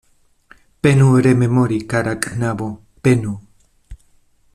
Penu rememori, kara knabo, penu.